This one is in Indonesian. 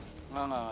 enggak enggak enggak